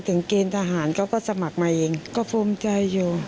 เกณฑ์ทหารเขาก็สมัครมาเองก็ภูมิใจอยู่